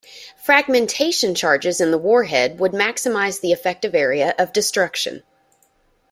Fragmentation charges in the warhead would maximize the effective area of destruction.